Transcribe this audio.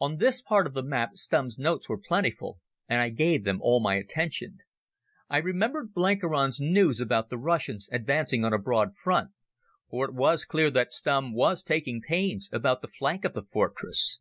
On this part of the map Stumm's notes were plentiful, and I gave them all my attention. I remembered Blenkiron's news about the Russians advancing on a broad front, for it was clear that Stumm was taking pains about the flank of the fortress.